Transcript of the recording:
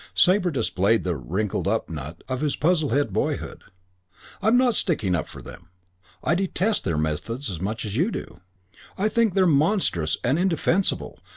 Sabre displayed the "wrinkled up nut" of his Puzzlehead boyhood. "I'm not sticking up for them. I detest their methods as much as you do. I think they're monstrous and indefensible.